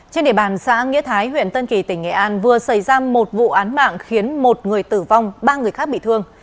trên địa bàn xã nghĩa thái huyện tân kỳ tỉnh nghệ an vừa xảy ra một vụ án mạng khiến một người tử vong ba người khác bị thương